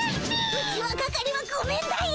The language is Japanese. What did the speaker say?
ウチワ係はごめんだよ。